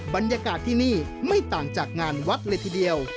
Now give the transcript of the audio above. บรรยากาศที่นี่ไม่ต่างจากงานวัดเลยทีเดียว